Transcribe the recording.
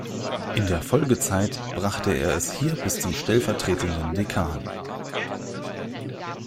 In der Folgezeit brachte er es hier bis zum stellvertretenden Dekan.